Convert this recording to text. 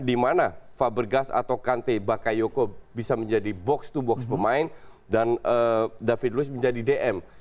di mana fabergas atau kante bakayoko bisa menjadi box to box pemain dan david luis menjadi dm